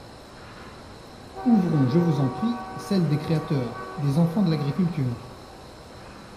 Ouvrons, je vous en prie, celle des créateurs, des enfants de l'agriculture.